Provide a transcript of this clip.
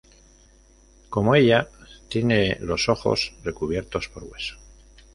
Como ella, tiene los ojos recubiertos por hueso.